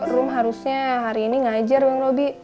lo harusnya hari ini ngajar bang robi